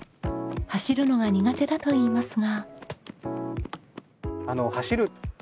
走るのが苦手だといいますが。